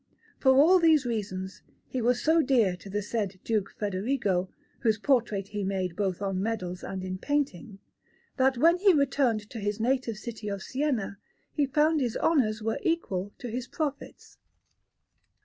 For all these reasons he was so dear to the said Duke Federigo, whose portrait he made both on medals and in painting, that when he returned to his native city of Siena he found his honours were equal to his profits.